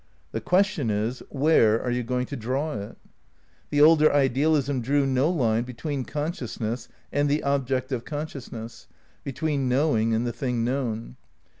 The question is. Where are you G^. going to draw it? scious The older idealism drew no line between conscious ness and the object of consciousness, between knowiug and the thing known.